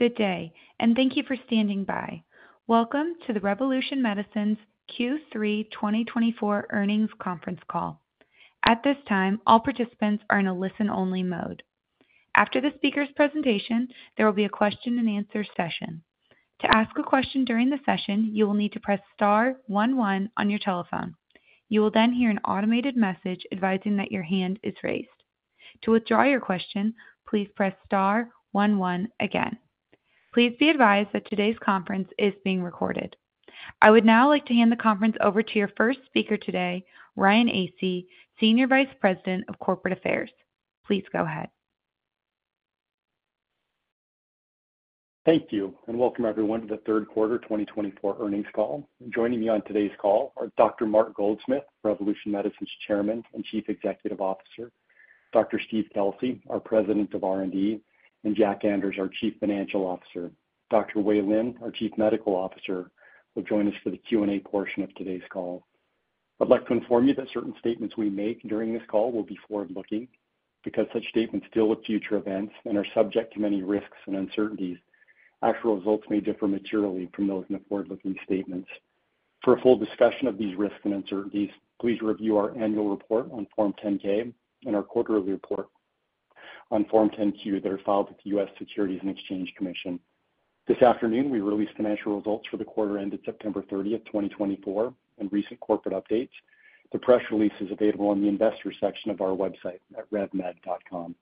Good day, and thank you for standing by. Welcome to the Revolution Medicines Q3 2024 earnings conference call. At this time, all participants are in a listen-only mode. After the speaker's presentation, there will be a question-and-answer session. To ask a question during the session, you will need to press star one one on your telephone. You will then hear an automated message advising that your hand is raised. To withdraw your question, please press star one one again. Please be advised that today's conference is being recorded. I would now like to hand the conference over to your first speaker today, Ryan Asay, Senior Vice President of Corporate Affairs. Please go ahead. Thank you, and welcome everyone to the third quarter 2024 earnings call. Joining me on today's call are Dr. Mark Goldsmith, Revolution Medicines Chairman and Chief Executive Officer, Dr. Steve Kelsey, our President of R&D, and Jack Anders, our Chief Financial Officer, Dr. Wei Lin, our Chief Medical Officer, who will join us for the Q&A portion of today's call. I'd like to inform you that certain statements we make during this call will be forward-looking because such statements deal with future events and are subject to many risks and uncertainties. Actual results may differ materially from those in the forward-looking statements. For a full discussion of these risks and uncertainties, please review our annual report on Form 10-K and our quarterly report on Form 10-Q that are filed with the U.S. Securities and Exchange Commission. This afternoon, we released financial results for the quarter ended September 30th, 2024, and recent corporate updates. The press release is available on the investor section of our website at revmed.com.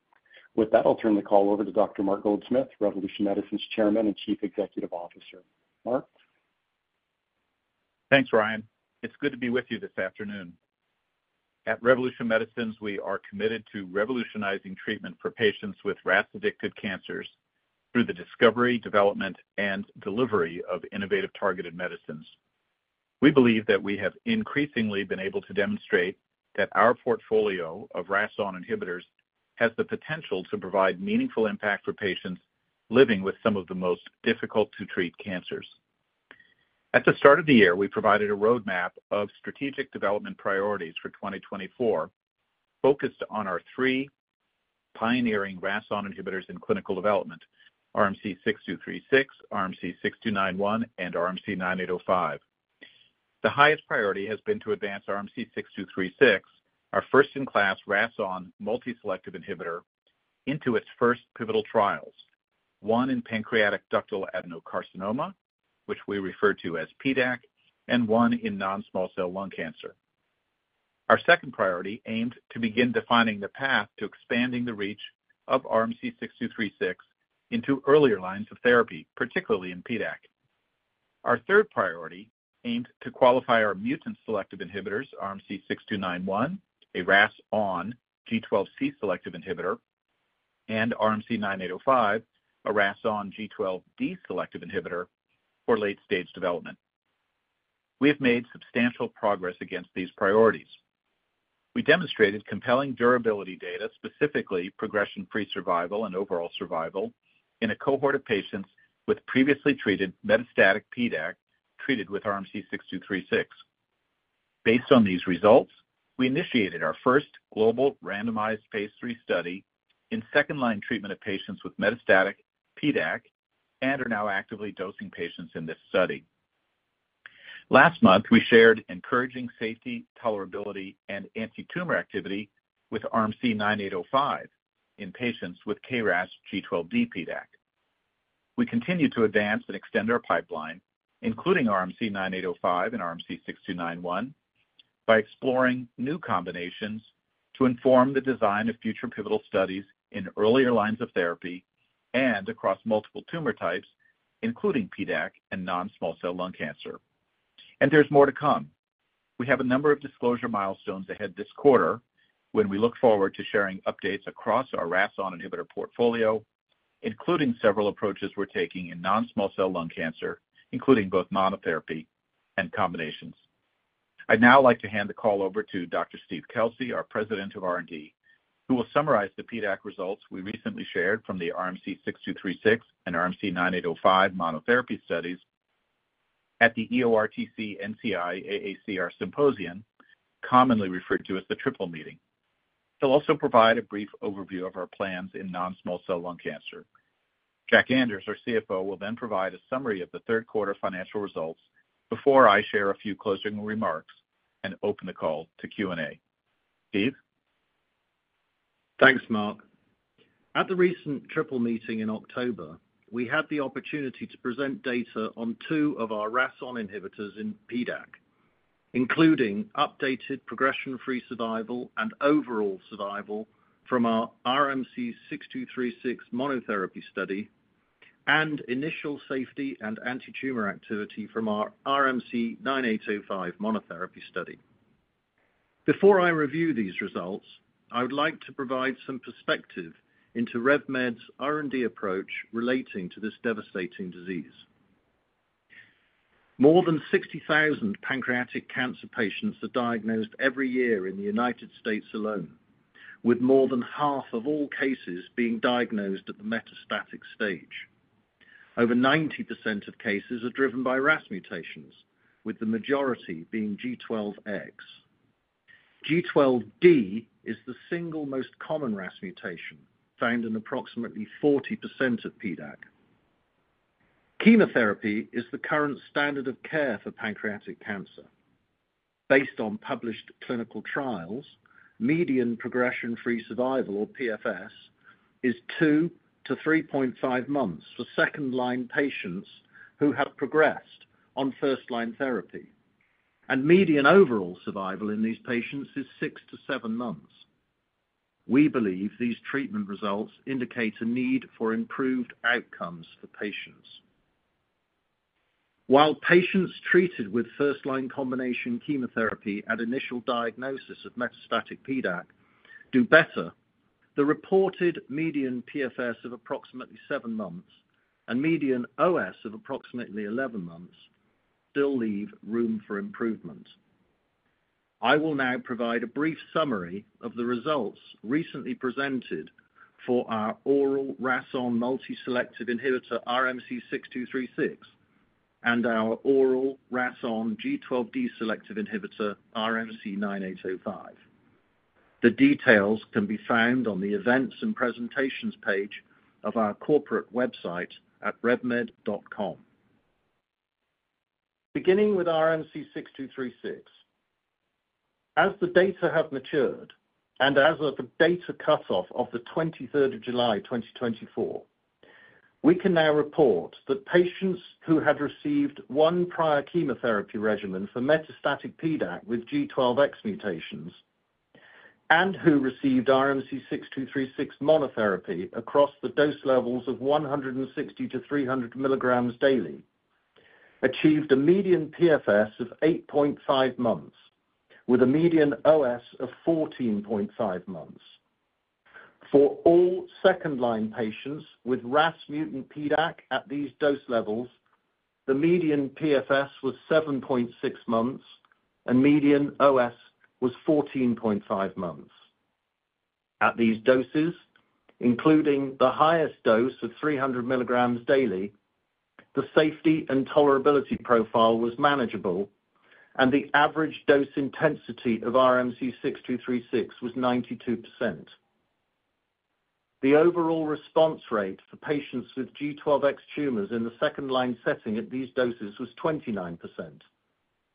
With that, I'll turn the call over to Dr. Mark Goldsmith, Revolution Medicines Chairman and Chief Executive Officer. Mark? Thanks, Ryan. It's good to be with you this afternoon. At Revolution Medicines, we are committed to revolutionizing treatment for patients with RAS-selected cancers through the discovery, development, and delivery of innovative targeted medicines. We believe that we have increasingly been able to demonstrate that our portfolio of RAS(ON) inhibitors has the potential to provide meaningful impact for patients living with some of the most difficult-to-treat cancers. At the start of the year, we provided a roadmap of strategic development priorities for 2024 focused on our three pioneering RAS(ON) inhibitors in clinical development: RMC-6236, RMC-6291, and RMC-9805. The highest priority has been to advance RMC-6236, our first-in-class RAS(ON) multi-selective inhibitor, into its first pivotal trials, one in pancreatic ductal adenocarcinoma, which we refer to as PDAC, and one in non-small cell lung cancer. Our second priority aimed to begin defining the path to expanding the reach of RMC-6236 into earlier lines of therapy, particularly in PDAC. Our third priority aimed to qualify our mutant selective inhibitors, RMC-6291, a RAS(ON) G12C selective inhibitor, and RMC-9805, a RAS(ON) G12D selective inhibitor for late-stage development. We have made substantial progress against these priorities. We demonstrated compelling durability data, specifically progression-free survival and overall survival, in a cohort of patients with previously treated metastatic PDAC treated with RMC-6236. Based on these results, we initiated our first global randomized phase III study in second-line treatment of patients with metastatic PDAC and are now actively dosing patients in this study. Last month, we shared encouraging safety, tolerability, and anti-tumor activity with RMC-9805 in patients with KRAS G12D PDAC. We continue to advance and extend our pipeline, including RMC-9805 and RMC-6291, by exploring new combinations to inform the design of future pivotal studies in earlier lines of therapy and across multiple tumor types, including PDAC and non-small cell lung cancer. And there's more to come. We have a number of disclosure milestones ahead this quarter when we look forward to sharing updates across our RAS(ON) inhibitor portfolio, including several approaches we're taking in non-small cell lung cancer, including both monotherapy and combinations. I'd now like to hand the call over to Dr. Steve Kelsey, our President of R&D, who will summarize the PDAC results we recently shared from the RMC-6236 and RMC-9805 monotherapy studies at the EORTC-NCI-AACR Symposium, commonly referred to as the Triple Meeting. He'll also provide a brief overview of our plans in non-small cell lung cancer. Jack Anders, our CFO, will then provide a summary of the third quarter financial results before I share a few closing remarks and open the call to Q&A. Steve? Thanks, Mark. At the recent Triple Meeting in October, we had the opportunity to present data on two of our RAS(ON) inhibitors in PDAC, including updated progression-free survival and overall survival from our RMC-6236 monotherapy study and initial safety and anti-tumor activity from our RMC-9805 monotherapy study. Before I review these results, I would like to provide some perspective into RevMed's R&D approach relating to this devastating disease. More than 60,000 pancreatic cancer patients are diagnosed every year in the United States alone, with more than half of all cases being diagnosed at the metastatic stage. Over 90% of cases are driven by RAS mutations, with the majority being G12X. G12D is the single most common RAS mutation found in approximately 40% of PDAC. Chemotherapy is the current standard of care for pancreatic cancer. Based on published clinical trials, median progression-free survival, or PFS, is two to 3.5 months for second-line patients who have progressed on first-line therapy, and median overall survival in these patients is six to seven months. We believe these treatment results indicate a need for improved outcomes for patients. While patients treated with first-line combination chemotherapy at initial diagnosis of metastatic PDAC do better, the reported median PFS of approximately seven months and median OS of approximately 11 months still leave room for improvement. I will now provide a brief summary of the results recently presented for our oral RAS(ON) multi-selective inhibitor RMC-6236 and our oral RAS(ON) G12D selective inhibitor RMC-9805. The details can be found on the events and presentations page of our corporate website at revmed.com. Beginning with RMC-6236, as the data have matured and as of the data cutoff of the 23rd of July 2024, we can now report that patients who had received one prior chemotherapy regimen for metastatic PDAC with G12X mutations and who received RMC-6236 monotherapy across the dose levels of 160-300 milligrams daily achieved a median PFS of 8.5 months, with a median OS of 14.5 months. For all second-line patients with RAS mutant PDAC at these dose levels, the median PFS was 7.6 months, and median OS was 14.5 months. At these doses, including the highest dose of 300 milligrams daily, the safety and tolerability profile was manageable, and the average dose intensity of RMC-6236 was 92%. The overall response rate for patients with G12X tumors in the second-line setting at these doses was 29%,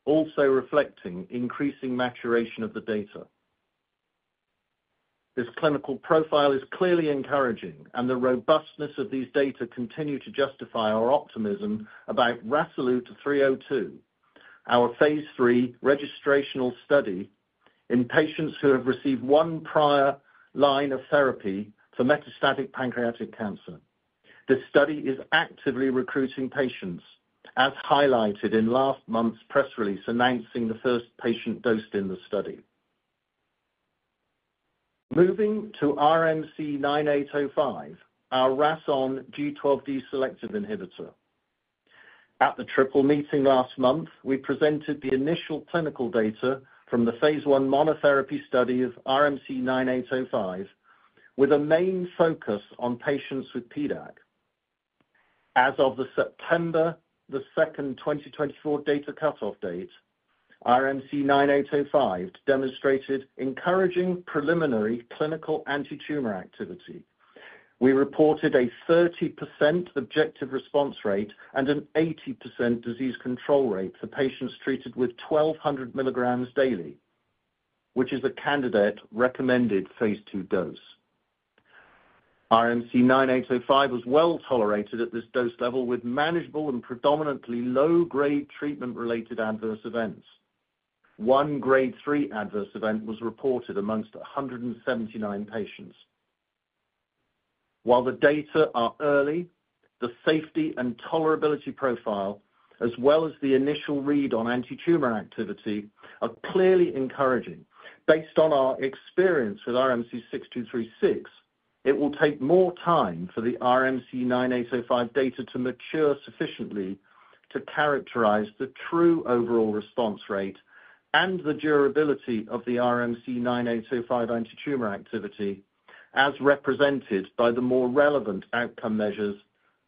also reflecting increasing maturation of the data. This clinical profile is clearly encouraging, and the robustness of these data continues to justify our optimism about RASolute 302, our phase III registrational study in patients who have received one prior line of therapy for metastatic pancreatic cancer. This study is actively recruiting patients, as highlighted in last month's press release announcing the first patient dosed in the study. Moving to RMC-9805, our RAS(ON) G12D selective inhibitor. At the Triple Meeting last month, we presented the initial clinical data from the phase I monotherapy study of RMC-9805, with a main focus on patients with PDAC. As of the September 2, 2024, data cutoff date, RMC-9805 demonstrated encouraging preliminary clinical anti-tumor activity. We reported a 30% objective response rate and an 80% disease control rate for patients treated with 1,200 milligrams daily, which is a candidate-recommended phase II dose. RMC-9805 was well tolerated at this dose level, with manageable and predominantly low-grade treatment-related adverse events. One grade three adverse event was reported among 179 patients. While the data are early, the safety and tolerability profile, as well as the initial read on anti-tumor activity, are clearly encouraging. Based on our experience with RMC-6236, it will take more time for the RMC-9805 data to mature sufficiently to characterize the true overall response rate and the durability of the RMC-9805 anti-tumor activity, as represented by the more relevant outcome measures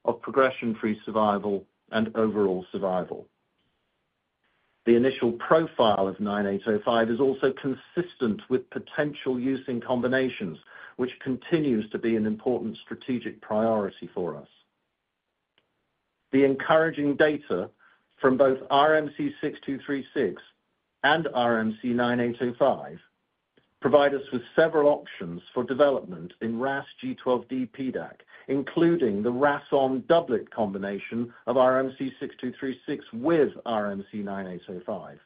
of progression-free survival and overall survival. The initial profile of 9805 is also consistent with potential use in combinations, which continues to be an important strategic priority for us. The encouraging data from both RMC-6236 and RMC-9805 provide us with several options for development in RAS G12D PDAC, including the RAS(ON) doublet combination of RMC-6236 with RMC-9805,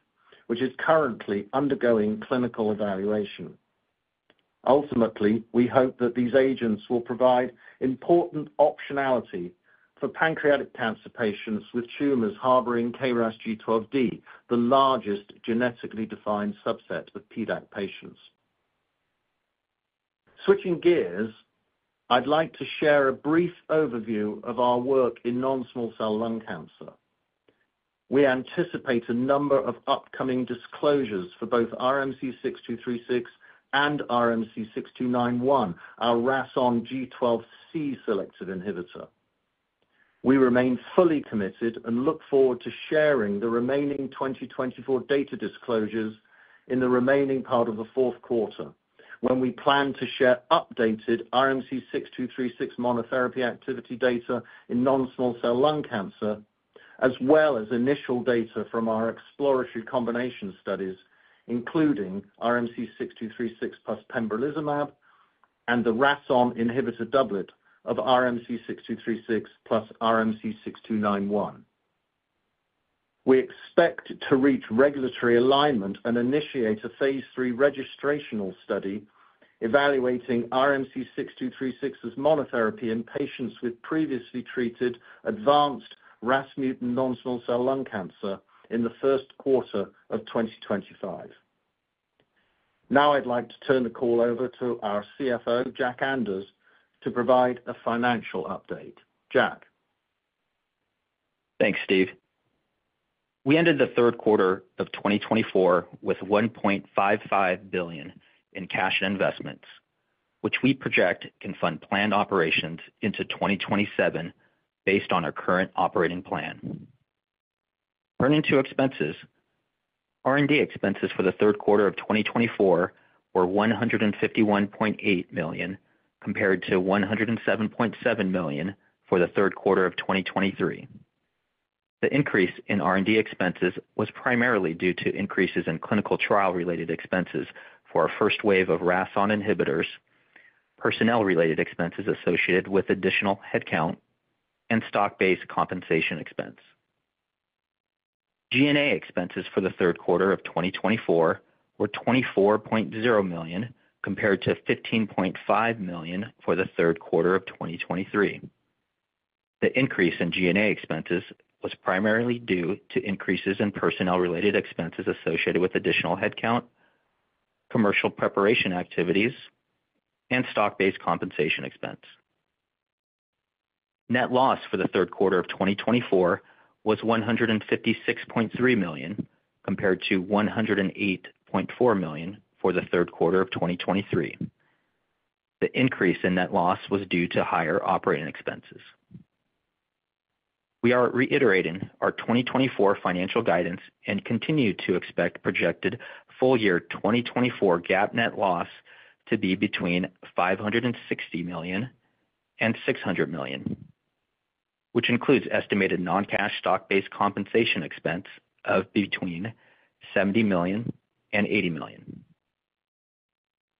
which is currently undergoing clinical evaluation. Ultimately, we hope that these agents will provide important optionality for pancreatic cancer patients with tumors harboring KRAS G12D, the largest genetically defined subset of PDAC patients. Switching gears, I'd like to share a brief overview of our work in non-small cell lung cancer. We anticipate a number of upcoming disclosures for both RMC-6236 and RMC-6291, our RAS(ON) G12C selective inhibitor. We remain fully committed and look forward to sharing the remaining 2024 data disclosures in the remaining part of the fourth quarter, when we plan to share updated RMC-6236 monotherapy activity data in non-small cell lung cancer, as well as initial data from our exploratory combination studies, including RMC-6236 plus pembrolizumab and the RAS(ON) inhibitor doublet of RMC-6236 plus RMC-6291. We expect to reach regulatory alignment and initiate a phase III registrational study evaluating RMC-6236 as monotherapy in patients with previously treated advanced RAS mutant non-small cell lung cancer in the first quarter of 2025. Now I'd like to turn the call over to our CFO, Jack Anders, to provide a financial update. Jack. Thanks, Steve. We ended the third quarter of 2024 with $1.55 billion in cash and investments, which we project can fund planned operations into 2027 based on our current operating plan. Turning to expenses, R&D expenses for the third quarter of 2024 were $151.8 million, compared to $107.7 million for the third quarter of 2023. The increase in R&D expenses was primarily due to increases in clinical trial-related expenses for our first wave of RAS(ON) inhibitors, personnel-related expenses associated with additional headcount, and stock-based compensation expense. G&A expenses for the third quarter of 2024 were $24.0 million, compared to $15.5 million for the third quarter of 2023. The increase in G&A expenses was primarily due to increases in personnel-related expenses associated with additional headcount, commercial preparation activities, and stock-based compensation expense. Net loss for the third quarter of 2024 was $156.3 million, compared to $108.4 million for the third quarter of 2023. The increase in net loss was due to higher operating expenses. We are reiterating our 2024 financial guidance and continue to expect projected full year 2024 GAAP net loss to be between $560 million and $600 million, which includes estimated non-cash stock-based compensation expense of between $70 million and $80 million.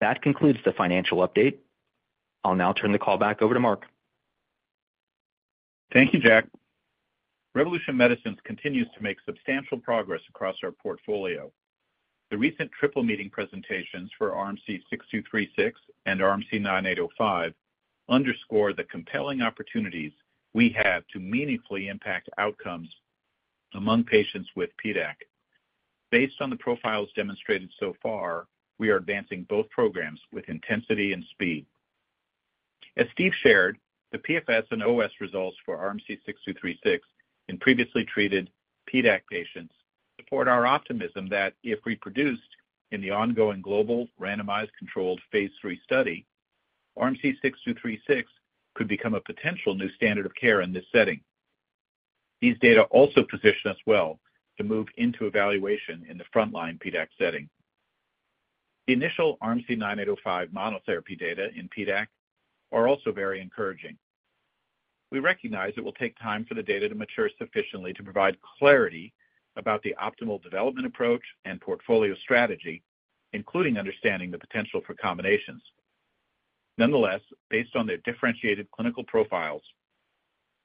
That concludes the financial update. I'll now turn the call back over to Mark. Thank you, Jack. Revolution Medicines continues to make substantial progress across our portfolio. The recent Triple Meeting presentations for RMC-6236 and RMC-9805 underscore the compelling opportunities we have to meaningfully impact outcomes among patients with PDAC. Based on the profiles demonstrated so far, we are advancing both programs with intensity and speed. As Steve shared, the PFS and OS results for RMC-6236 in previously treated PDAC patients support our optimism that if reproduced in the ongoing global randomized controlled phase III study, RMC-6236 could become a potential new standard of care in this setting. These data also position us well to move into evaluation in the front-line PDAC setting. The initial RMC-9805 monotherapy data in PDAC are also very encouraging. We recognize it will take time for the data to mature sufficiently to provide clarity about the optimal development approach and portfolio strategy, including understanding the potential for combinations. Nonetheless, based on their differentiated clinical profiles,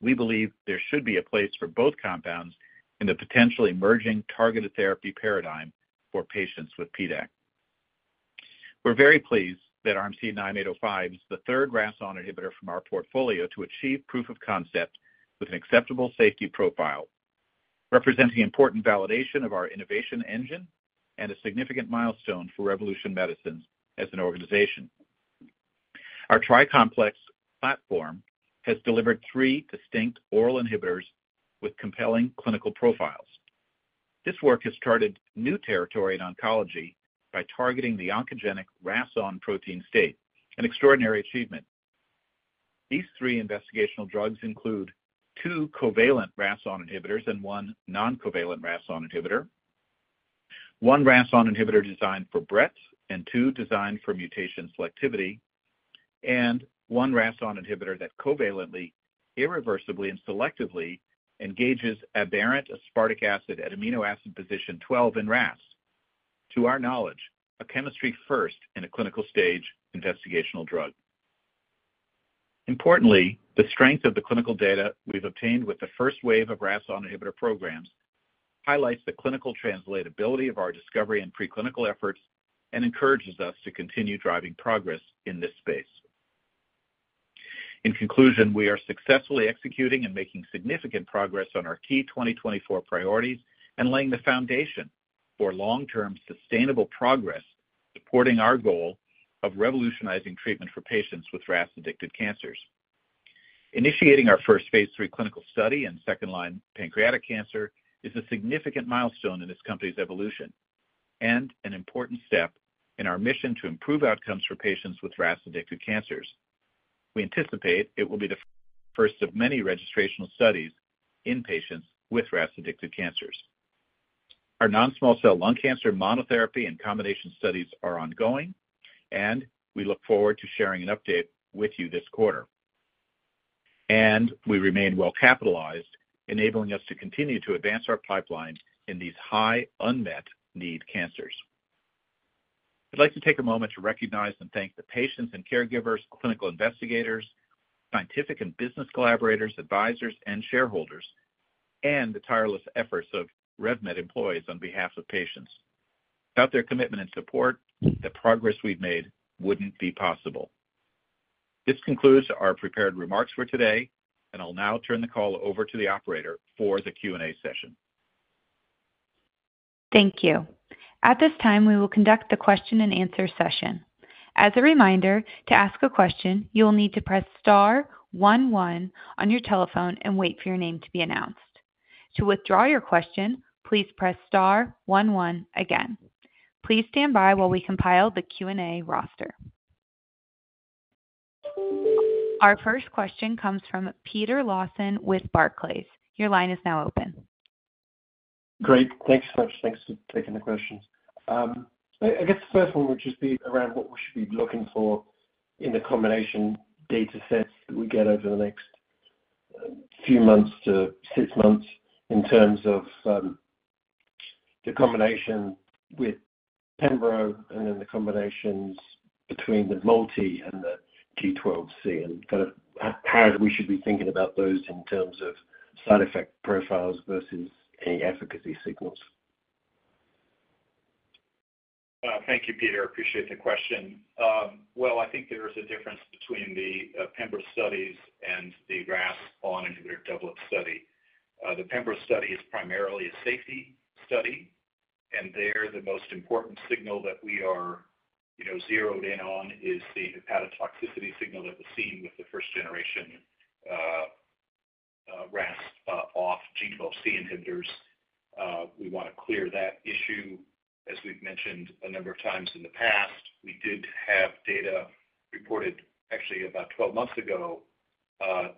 we believe there should be a place for both compounds in the potentially emerging targeted therapy paradigm for patients with PDAC. We're very pleased that RMC-9805 is the third RAS(ON) inhibitor from our portfolio to achieve proof of concept with an acceptable safety profile, representing important validation of our innovation engine and a significant milestone for Revolution Medicines as an organization. Our Tri-Complex platform has delivered three distinct oral inhibitors with compelling clinical profiles. This work has charted new territory in oncology by targeting the oncogenic RAS(ON) protein state, an extraordinary achievement. These three investigational drugs include two covalent RAS(ON) inhibitors and one non-covalent RAS(ON) inhibitor, one RAS(ON) inhibitor designed for breadth and two designed for mutation selectivity, and one RAS(ON) inhibitor that covalently, irreversibly, and selectively engages aberrant aspartic acid at amino acid position 12 in RAS. To our knowledge, a chemistry-first in a clinical-stage investigational drug. Importantly, the strength of the clinical data we've obtained with the first wave of RAS(ON) inhibitor programs highlights the clinical translatability of our discovery and preclinical efforts and encourages us to continue driving progress in this space. In conclusion, we are successfully executing and making significant progress on our key 2024 priorities and laying the foundation for long-term sustainable progress supporting our goal of revolutionizing treatment for patients with RAS-induced cancers. Initiating our first phase III clinical study in second-line pancreatic cancer is a significant milestone in this company's evolution and an important step in our mission to improve outcomes for patients with RAS-induced cancers. We anticipate it will be the first of many registrational studies in patients with RAS-induced cancers. Our non-small cell lung cancer monotherapy and combination studies are ongoing, and we look forward to sharing an update with you this quarter, and we remain well capitalized, enabling us to continue to advance our pipeline in these high unmet need cancers. I'd like to take a moment to recognize and thank the patients and caregivers, clinical investigators, scientific and business collaborators, advisors, and shareholders, and the tireless efforts of RevMed employees on behalf of patients. Without their commitment and support, the progress we've made wouldn't be possible. This concludes our prepared remarks for today, and I'll now turn the call over to the operator for the Q&A session. Thank you. At this time, we will conduct the question-and-answer session. As a reminder, to ask a question, you'll need to press star one one on your telephone and wait for your name to be announced. To withdraw your question, please press star one one again. Please stand by while we compile the Q&A roster. Our first question comes from Peter Lawson with Barclays. Your line is now open. Great. Thanks, Ash. Thanks for taking the questions. I guess the first one would just be around what we should be looking for in the combination data sets that we get over the next few months to six months in terms of the combination with pembrolizumab and then the combinations between the multi and the G12C, and kind of how we should be thinking about those in terms of side effect profiles versus any efficacy signals? Thank you, Peter. I appreciate the question. I think there is a difference between the Pembrolizumab studies and the RAS on inhibitor doublet study. The Pembrolizumab study is primarily a safety study, and there the most important signal that we are zeroed in on is the hepatotoxicity signal that was seen with the first-generation RAS(OFF) G12C inhibitors. We want to clear that issue, as we've mentioned a number of times in the past. We did have data reported, actually, about 12 months ago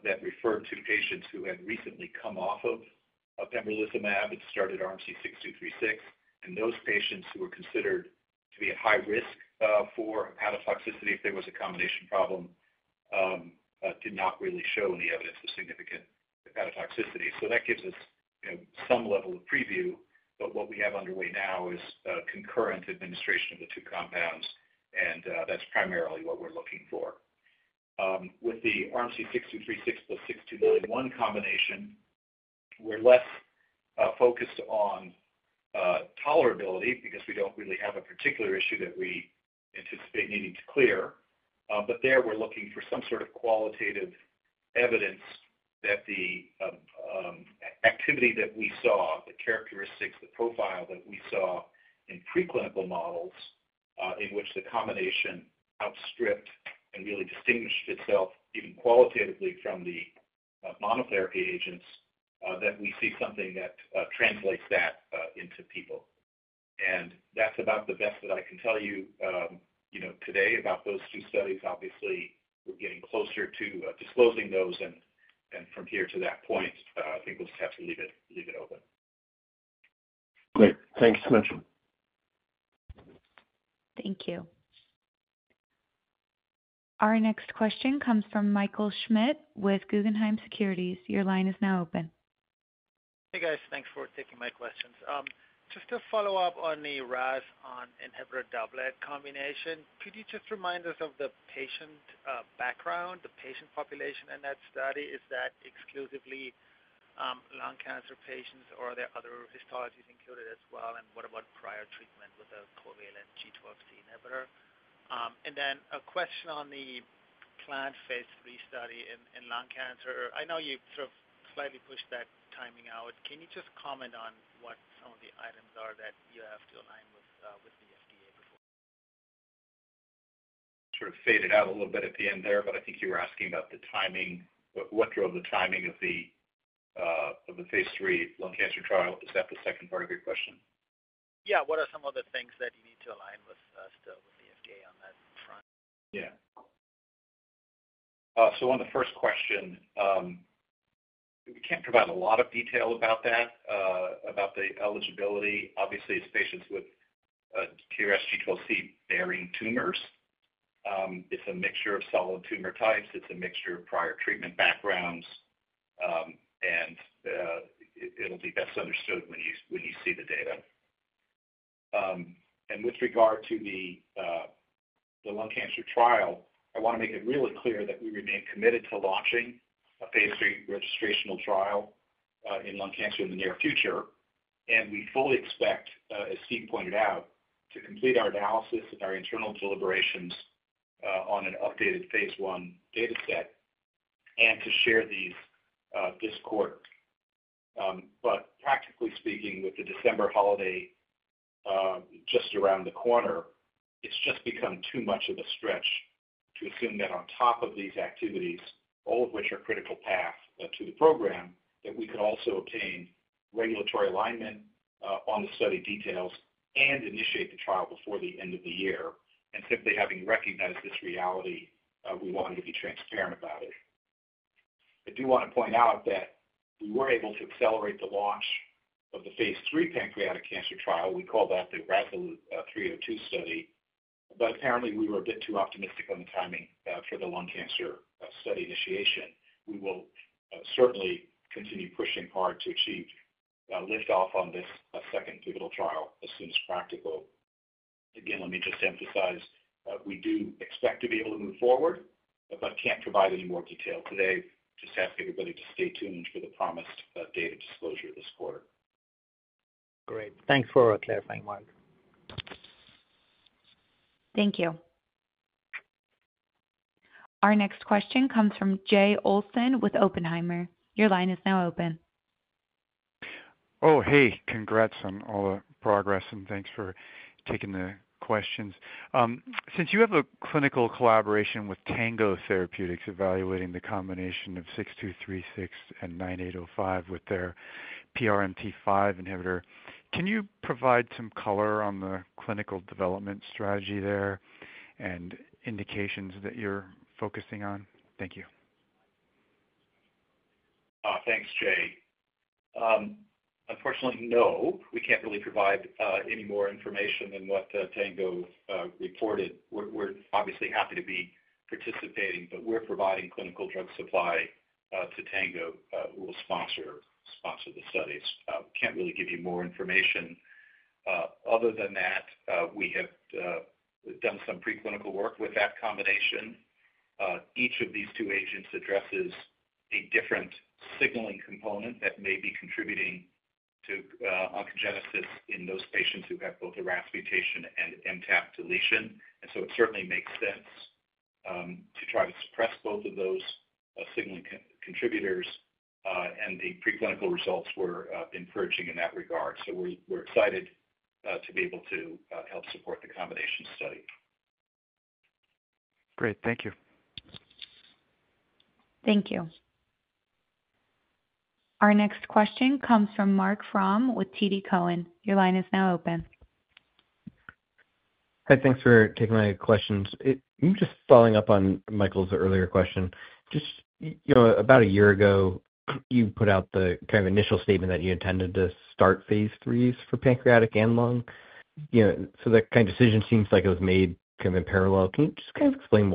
that referred to patients who had recently come off of pembrolizumab and started RMC-6236, and those patients who were considered to be at high risk for hepatotoxicity if there was a combination problem did not really show any evidence of significant hepatotoxicity. So that gives us some level of preview, but what we have underway now is concurrent administration of the two compounds, and that's primarily what we're looking for. With the RMC-6236 plus RMC-6291 combination, we're less focused on tolerability because we don't really have a particular issue that we anticipate needing to clear, but there we're looking for some sort of qualitative evidence that the activity that we saw, the characteristics, the profile that we saw in preclinical models in which the combination outstripped and really distinguished itself even qualitatively from the monotherapy agents, that we see something that translates that into people. And that's about the best that I can tell you today about those two studies. Obviously, we're getting closer to disclosing those, and from here to that point, I think we'll just have to leave it open. Great. Thank you so much. Thank you. Our next question comes from Michael Schmidt with Guggenheim Securities. Your line is now open. Hey, guys. Thanks for taking my questions. Just to follow up on the RAS(ON) inhibitor doublet combination, could you just remind us of the patient background, the patient population in that study? Is that exclusively lung cancer patients, or are there other histologies included as well? And what about prior treatment with a covalent G12C inhibitor? And then a question on the planned phase III study in lung cancer. I know you sort of slightly pushed that timing out. Can you just comment on what some of the items are that you have to align with the FDA before? Sort of faded out a little bit at the end there, but I think you were asking about the timing. What drove the timing of the phase III lung cancer trial? Is that the second part of your question? Yeah. What are some of the things that you need to align with still with the FDA on that front? Yeah. So on the first question, we can't provide a lot of detail about that, about the eligibility. Obviously, it's patients with KRAS G12C bearing tumors. It's a mixture of solid tumor types. It's a mixture of prior treatment backgrounds, and it'll be best understood when you see the data. And with regard to the lung cancer trial, I want to make it really clear that we remain committed to launching a phase III registrational trial in lung cancer in the near future, and we fully expect, as Steve pointed out, to complete our analysis and our internal deliberations on an updated phase I data set and to share these this quarter. But practically speaking, with the December holiday just around the corner, it's just become too much of a stretch to assume that on top of these activities, all of which are critical paths to the program, that we could also obtain regulatory alignment on the study details and initiate the trial before the end of the year. And simply having recognized this reality, we wanted to be transparent about it. I do want to point out that we were able to accelerate the launch of the phase III pancreatic cancer trial. We call that the RASolute 302 study, but apparently we were a bit too optimistic on the timing for the lung cancer study initiation. We will certainly continue pushing hard to achieve lift-off on this second pivotal trial as soon as practical. Again, let me just emphasize we do expect to be able to move forward, but can't provide any more detail today. Just ask everybody to stay tuned for the promised data disclosure this quarter. Great. Thanks for clarifying, Mark. Thank you. Our next question comes from Jay Olson with Oppenheimer. Your line is now open. Oh, hey. Congrats on all the progress, and thanks for taking the questions. Since you have a clinical collaboration with Tango Therapeutics evaluating the combination of 6236 and 9805 with their PRMT5 inhibitor, can you provide some color on the clinical development strategy there and indications that you're focusing on? Thank you. Thanks, Jay. Unfortunately, no. We can't really provide any more information than what Tango reported. We're obviously happy to be participating, but we're providing clinical drug supply to Tango who will sponsor the studies. Can't really give you more information. Other than that, we have done some preclinical work with that combination. Each of these two agents addresses a different signaling component that may be contributing to oncogenesis in those patients who have both a RAS mutation and MTAP deletion, and so it certainly makes sense to try to suppress both of those signaling contributors, and the preclinical results were encouraging in that regard. So we're excited to be able to help support the combination study. Great. Thank you. Thank you. Our next question comes from Marc Frahm with TD Cowen. Your line is now open. Hi. Thanks for taking my questions. Just following up on Michael's earlier question, just about a year ago, you put out the kind of initial statement that you intended to start phase IIIs for pancreatic and lung. So that kind of decision seems like it was made kind of in parallel. Can you just kind of explain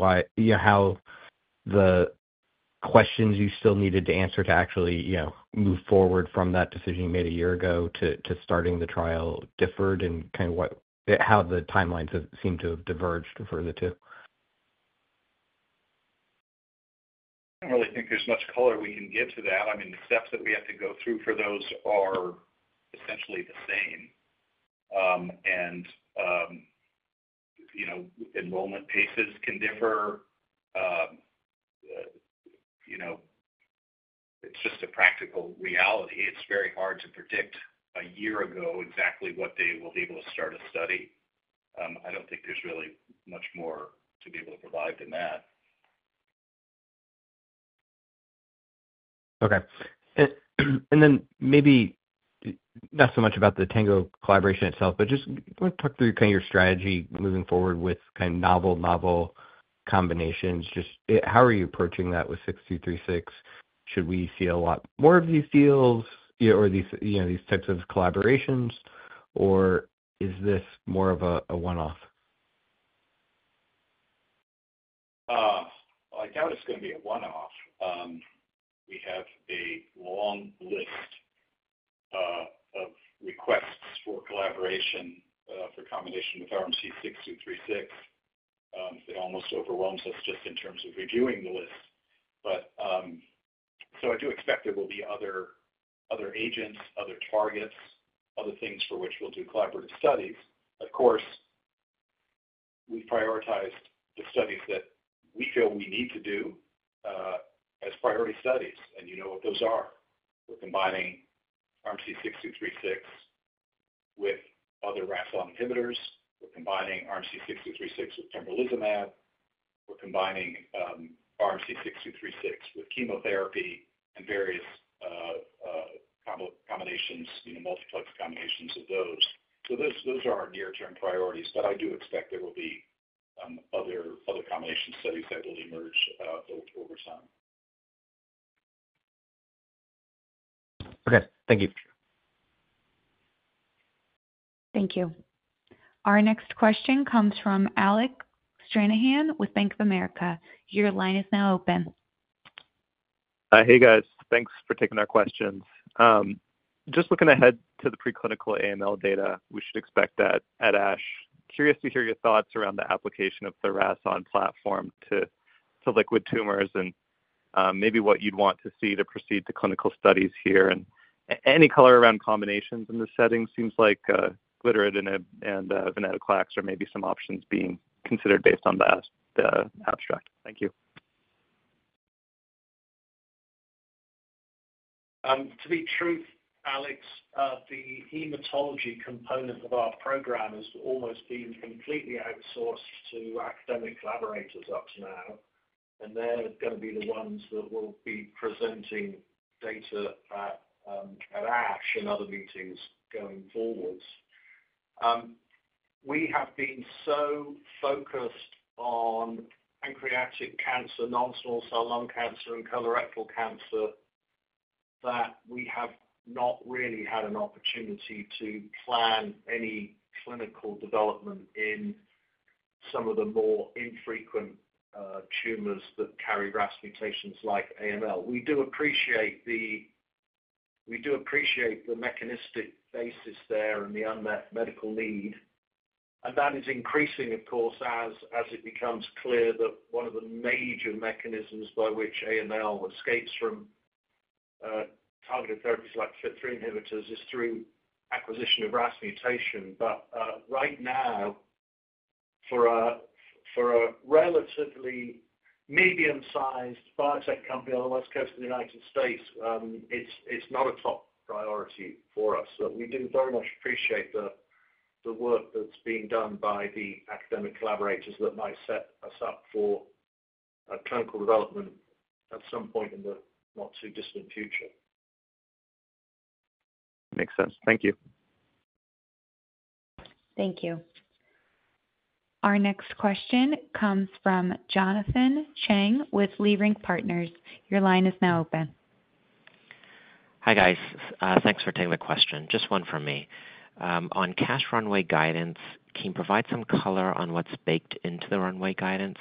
how the questions you still needed to answer to actually move forward from that decision you made a year ago to starting the trial differed and kind of how the timelines seem to have diverged for the two? I don't really think there's much color we can give to that. I mean, the steps that we have to go through for those are essentially the same, and enrollment paces can differ. It's just a practical reality. It's very hard to predict a year ago exactly what day we'll be able to start a study. I don't think there's really much more to be able to provide than that. Okay. And then maybe not so much about the Tango collaboration itself, but just want to talk through kind of your strategy moving forward with kind of novel combinations. Just how are you approaching that with 6236? Should we see a lot more of these deals or these types of collaborations, or is this more of a one-off? I doubt it's going to be a one-off. We have a long list of requests for collaboration for combination with RMC-6236. It almost overwhelms us just in terms of reviewing the list. So I do expect there will be other agents, other targets, other things for which we'll do collaborative studies. Of course, we've prioritized the studies that we feel we need to do as priority studies, and you know what those are. We're combining RMC-6236 with other RAS(ON) inhibitors. We're combining RMC-6236 with pembrolizumab. We're combining RMC-6236 with chemotherapy and various combinations, multiplex combinations of those. So those are our near-term priorities, but I do expect there will be other combination studies that will emerge over time. Okay. Thank you. Thank you. Our next question comes from Alec Stranahan with Bank of America. Your line is now open. Hey, guys. Thanks for taking our questions. Just looking ahead to the preclinical AML data, we should expect that at ASH. Curious to hear your thoughts around the application of the RAS(ON) platform to liquid tumors and maybe what you'd want to see to proceed to clinical studies here. Any color around combinations in this setting? Seems like gilteritinib and venetoclax are maybe some options being considered based on the abstract. Thank you. To tell the truth, Alec, the hematology component of our program has almost been completely outsourced to academic collaborators up to now, and they're going to be the ones that will be presenting data at ASH and other meetings going forwards. We have been so focused on pancreatic cancer, non-small cell lung cancer, and colorectal cancer that we have not really had an opportunity to plan any clinical development in some of the more infrequent tumors that carry RAS mutations like AML. We do appreciate the mechanistic basis there and the unmet medical need, and that is increasing, of course, as it becomes clear that one of the major mechanisms by which AML escapes from targeted therapies like FLT3 inhibitors is through acquisition of RAS mutation. But right now, for a relatively medium-sized biotech company on the West Coast of the United States, it's not a top priority for us. but we do very much appreciate the work that's being done by the academic collaborators that might set us up for clinical development at some point in the not-too-distant future. Makes sense. Thank you. Thank you. Our next question comes from Jonathan Chang with Leerink Partners. Your line is now open. Hi guys. Thanks for taking the question. Just one from me. On cash runway guidance, can you provide some color on what's baked into the runway guidance,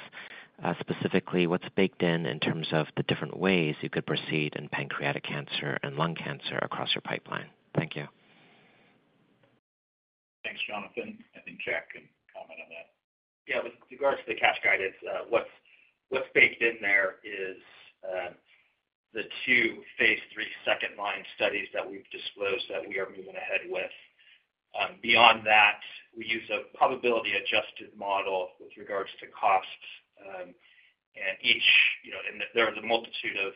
specifically what's baked in in terms of the different ways you could proceed in pancreatic cancer and lung cancer across your pipeline? Thank you. Thanks, Jonathan. I think Jack can comment on that. Yeah. With regards to the cash guidance, what's baked in there is the two phase III second-line studies that we've disclosed that we are moving ahead with. Beyond that, we use a probability-adjusted model with regards to costs, and there are a multitude of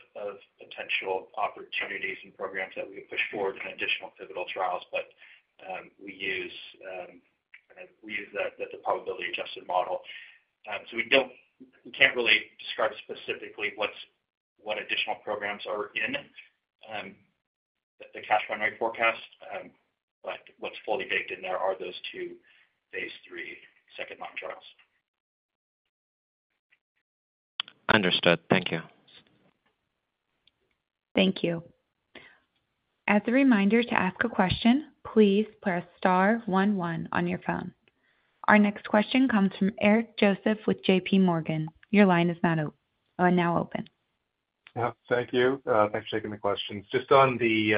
potential opportunities and programs that we push forward in additional pivotal trials, but we use the probability-adjusted model. So we can't really describe specifically what additional programs are in the cash runway forecast, but what's fully baked in there are those two phase III second-line trials. Understood. Thank you. Thank you. As a reminder to ask a question, please press star one one on your phone. Our next question comes from Eric Joseph with JPMorgan. Your line is now open. Thank you. Thanks for taking the questions. Just on the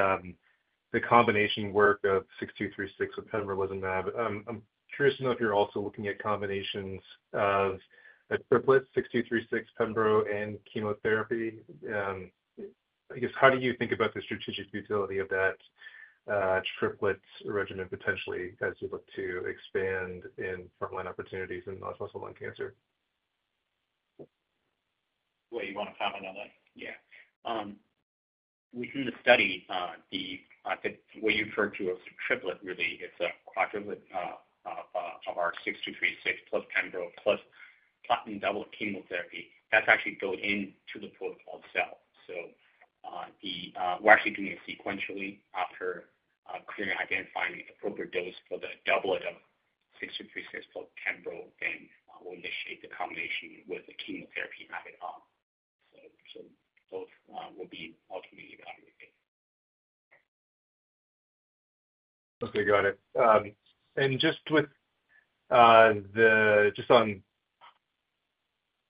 combination work of 6236 with pembrolizumab, I'm curious to know if you're also looking at combinations of a triplet, 6236, pembro, and chemotherapy. I guess, how do you think about the strategic utility of that triplet regimen potentially as you look to expand in front-line opportunities in non-small cell lung cancer? Wei, you want to comment on that? Yeah. Within the study, the way you've heard too of the triplet, really, it's a quadruplet of our 6236 plus pembro plus platinum doublet chemotherapy. That's actually built into the protocol itself. So we're actually doing it sequentially after identifying the appropriate dose for the doublet of 6236 plus pembro, then we'll initiate the combination with the chemotherapy added on. So both will be ultimately evaluated. Okay. Got it. And just on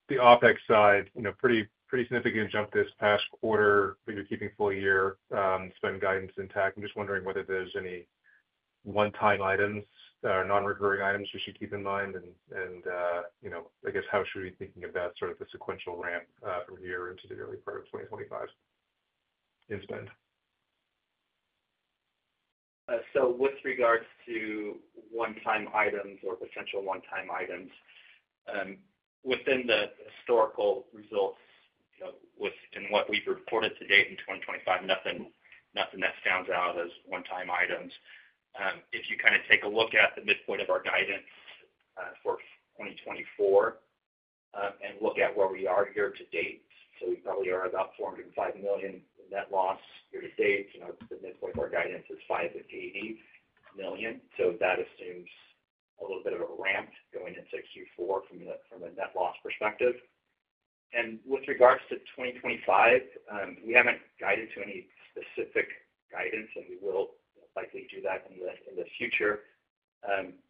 the OpEx side, pretty significant jump this past quarter, but you're keeping full year spend guidance intact. I'm just wondering whether there's any one-time items or non-recurring items you should keep in mind, and I guess, how should we be thinking about sort of the sequential ramp from here into the early part of 2025 in spend? With regards to one-time items or potential one-time items, within the historical results and what we've reported to date in 2025, nothing that stands out as one-time items. If you kind of take a look at the midpoint of our guidance for 2024 and look at where we are year to date, so we probably are about $405 million net loss year to date. The midpoint of our guidance is $580 million. So that assumes a little bit of a ramp going into Q4 from a net loss perspective. And with regards to 2025, we haven't guided to any specific guidance, and we will likely do that in the future.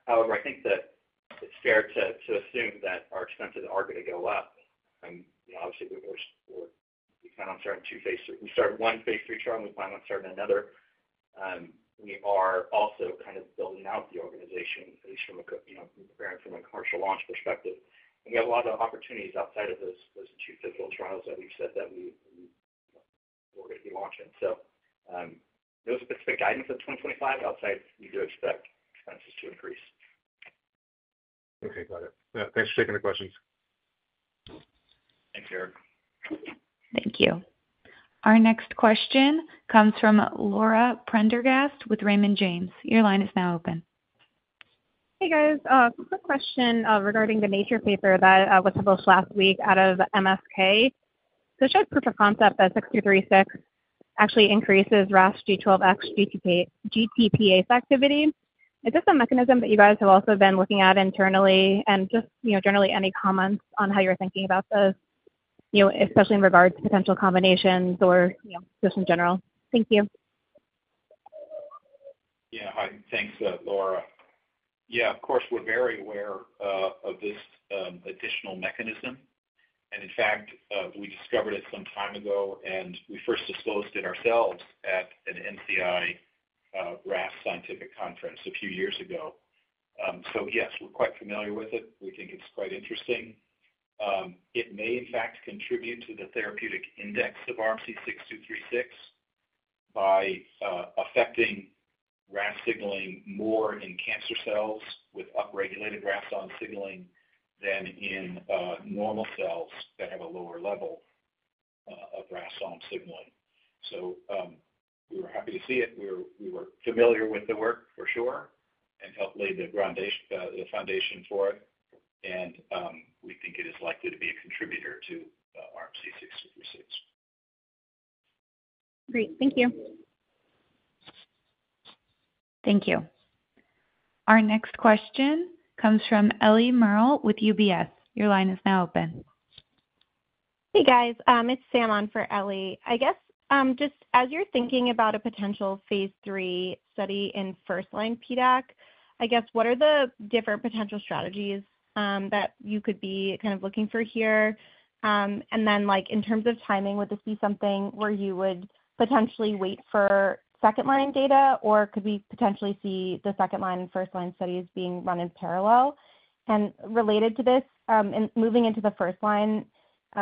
However, I think that it's fair to assume that our expenses are going to go up. Obviously, we plan on starting two phase III. We started one phase III trial, and we plan on starting another. We are also kind of building out the organization, at least from a commercial launch perspective. And we have a lot of opportunities outside of those two pivotal trials that we've said that we're going to be launching. So no specific guidance in 2025 outside. We do expect expenses to increase. Okay. Got it. Thanks for taking the questions. Thanks, Eric. Thank you. Our next question comes from Laura Prendergast with Raymond James. Your line is now open. Hey, guys. Quick question regarding the Nature paper that was published last week out of MSK. So it shows proof of concept that 6236 actually increases RAS G12X GTPase activity. Is this a mechanism that you guys have also been looking at internally? And just generally, any comments on how you're thinking about this, especially in regards to potential combinations or just in general? Thank you. Yeah. Hi. Thanks, Laura. Yeah. Of course, we're very aware of this additional mechanism. And in fact, we discovered it some time ago, and we first disclosed it ourselves at an NCI RAS scientific conference a few years ago. So yes, we're quite familiar with it. We think it's quite interesting. It may, in fact, contribute to the therapeutic index of RMC-6236 by affecting RAS signaling more in cancer cells with upregulated RAS(ON) signaling than in normal cells that have a lower level of RAS(ON) signaling. So we were happy to see it. We were familiar with the work, for sure, and helped lay the foundation for it. And we think it is likely to be a contributor to RMC-6236. Great. Thank you. Thank you. Our next question comes from Ellie Merle with UBS. Your line is now open. Hey, guys. It's Saman for Ellie. I guess, just as you're thinking about a potential phase III study in first-line PDAC, I guess, what are the different potential strategies that you could be kind of looking for here? And then in terms of timing, would this be something where you would potentially wait for second-line data, or could we potentially see the second-line and first-line studies being run in parallel? And related to this, moving into the first line,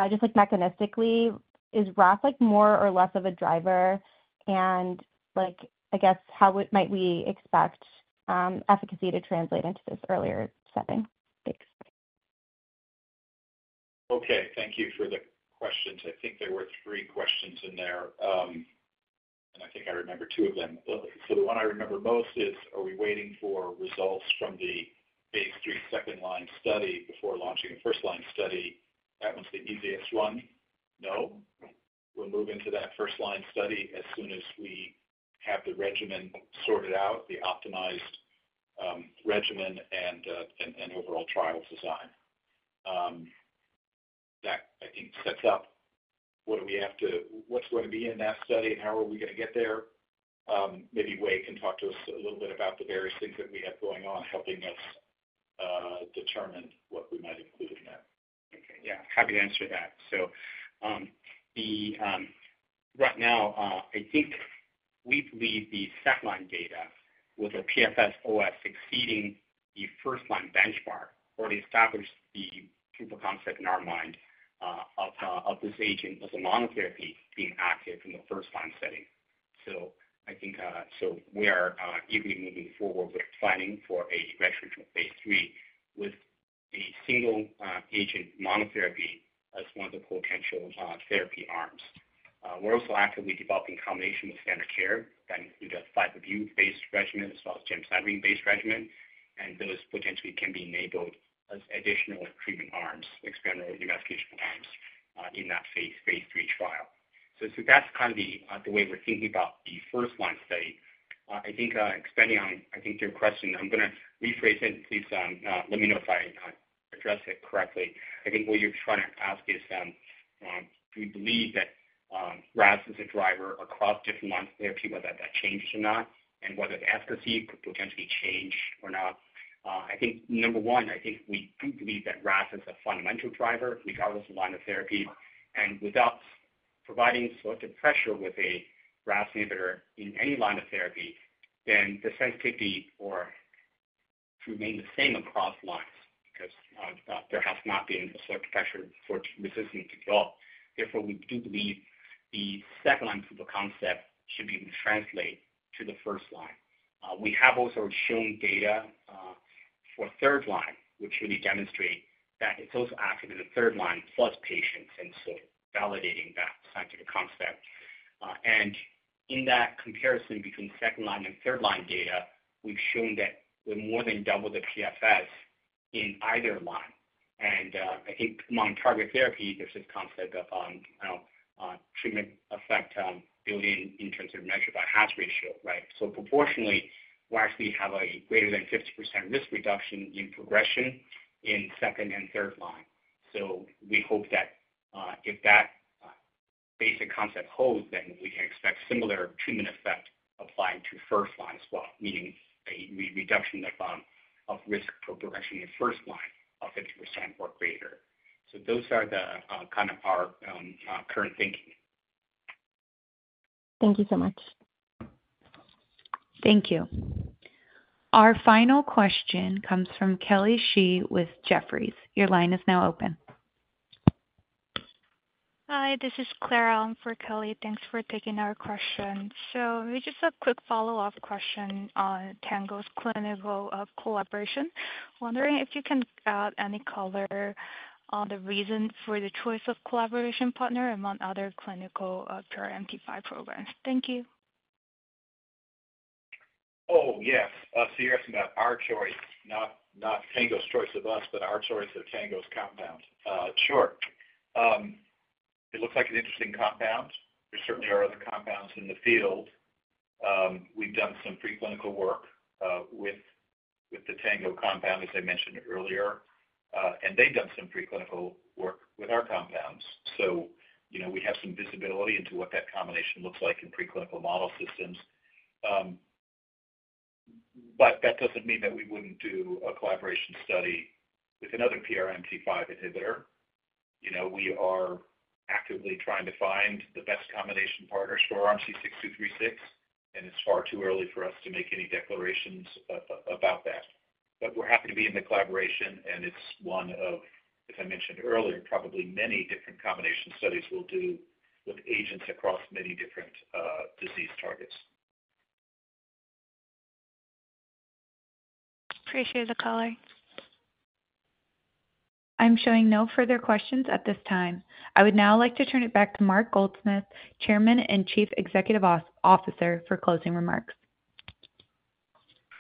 just mechanistically, is RAS more or less of a driver? And I guess, how might we expect efficacy to translate into this earlier setting? Okay. Thank you for the questions. I think there were three questions in there, and I think I remember two of them. So the one I remember most is, are we waiting for results from the phase III second-line study before launching a first-line study? That one's the easiest one. No. We'll move into that first-line study as soon as we have the regimen sorted out, the optimized regimen, and overall trial design. That, I think, sets up what do we have to what's going to be in that study and how are we going to get there? Maybe Wei can talk to us a little bit about the various things that we have going on, helping us determine what we might include in that. Okay. Yeah. Happy to answer that. So right now, I think we believe the second-line data with our PFS OS exceeding the first-line benchmark or they established the proof of concept in our mind of this agent as a monotherapy being active in the first-line setting. So I think we are easily moving forward with planning for a pivotal phase III with a single-agent monotherapy as one of the potential therapy arms. We're also actively developing combination with standard care that includes a 5-FU-based regimen as well as gemcitabine-based regimen. And those potentially can be enabled as additional treatment arms, experimental investigation arms in that phase III trial. So that's kind of the way we're thinking about the first-line study. I think, expanding on, I think, your question, I'm going to rephrase it. Please let me know if I address it correctly. I think what you're trying to ask is, do we believe that RAS is a driver across different lines of therapy, whether that changes or not, and whether the efficacy could potentially change or not? I think, number one, I think we do believe that RAS is a fundamental driver regardless of line of therapy, and without providing selective pressure with a RAS inhibitor in any line of therapy, then the sensitivity will remain the same across lines because there has not been a selective pressure for resistance at all. Therefore, we do believe the second-line proof of concept should be translated to the first line. We have also shown data for third line, which really demonstrates that it's also active in the third line plus patients, and so validating that scientific concept. In that comparison between second-line and third-line data, we've shown that we're more than double the PFS in either line. I think among targeted therapy, there's this concept of treatment effect built in in terms of measured by HR ratio, right? Proportionally, we actually have a greater than 50% risk reduction in progression in second and third line. We hope that if that basic concept holds, then we can expect similar treatment effect applied to first line as well, meaning a reduction of risk for progression in first line of 50% or greater. Those are kind of our current thinking. Thank you so much. Thank you. Our final question comes from Kelly Shi with Jefferies. Your line is now open. Hi. This is Clara. I'm for Kelly. Thanks for taking our question. So just a quick follow-up question on Tango's clinical collaboration. Wondering if you can add any color on the reason for the choice of collaboration partner among other clinical PRMT5 programs? Thank you. Oh, yes, so you're asking about our choice, not Tango's choice of us, but our choice of Tango's compound. Sure. It looks like an interesting compound. There certainly are other compounds in the field. We've done some preclinical work with the Tango compound, as I mentioned earlier, and they've done some preclinical work with our compounds, so we have some visibility into what that combination looks like in preclinical model systems, but that doesn't mean that we wouldn't do a collaboration study with another PRMT5 inhibitor. We are actively trying to find the best combination partner for RMC-6236, and it's far too early for us to make any declarations about that, but we're happy to be in the collaboration, and it's one of, as I mentioned earlier, probably many different combination studies we'll do with agents across many different disease targets. Appreciate the color. I'm showing no further questions at this time. I would now like to turn it back to Mark Goldsmith, Chairman and Chief Executive Officer, for closing remarks.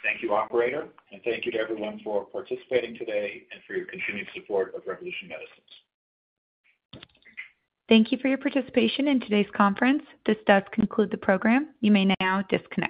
Thank you, operator. And thank you to everyone for participating today and for your continued support of Revolution Medicines. Thank you for your participation in today's conference. This does conclude the program. You may now disconnect.